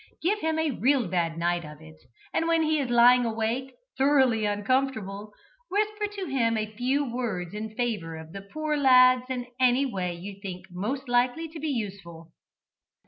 Give him a real bad night of it, and when he is lying awake, thoroughly uncomfortable, whisper to him a few words in favour of the poor lads in any way you think most likely to be useful.